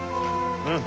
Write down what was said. うん。